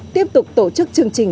tiếp tục tổ chức chương trình